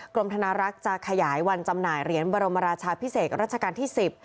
กรมธนารักษ์จะขยายวันจำหน่ายเหรียญบรมราชาพิเศษรัชกาลที่๑๐